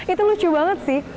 itu lucu banget sih